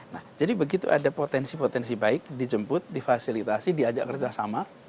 nah jadi begitu ada potensi potensi baik dijemput difasilitasi diajak kerjasama